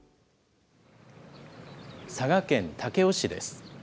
佐賀県武雄市です。